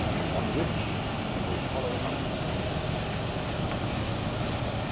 Upon which, you will follow us."